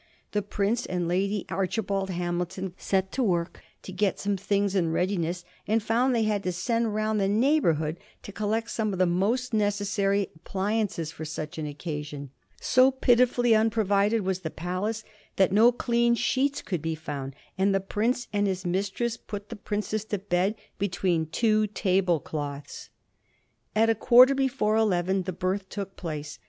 The prince and Lady Archibald Hamilton set to work to get some things in readiness, and found they had to send round the neighborhood to collect some of the most necessary appli ances for such an occasion. So pitifully unprovided was the palace that no clean sheets could be found, and the prince and his mistress put the princess to bed between two table cloths. At a quarter before eleven the birth took place.